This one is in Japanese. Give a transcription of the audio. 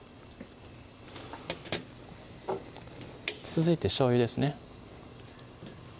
続いてしょうゆですね